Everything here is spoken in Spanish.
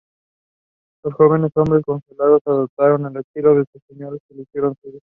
Los jóvenes hombres congoleños adoptaron el estilo de sus señores y lo hicieron suyo.